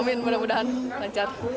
amin mudah mudahan lancar